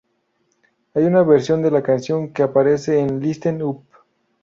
Hay una versión de la canción que aparece en Listen Up!